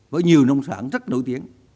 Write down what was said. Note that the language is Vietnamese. với nhiều nông sản rất nổi tiếng